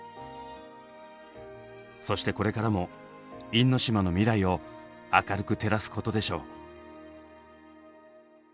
そしてこれからも因島の未来を明るく照らすことでしょう。